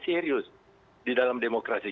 serius di dalam demokrasi